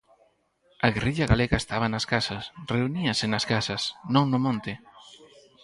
A guerrilla galega estaba nas casas, reuníase nas casas, non no monte.